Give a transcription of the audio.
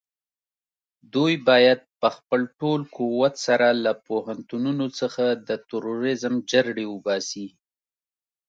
دوی بايد په خپل ټول قوت سره له پوهنتونونو څخه د تروريزم جرړې وباسي.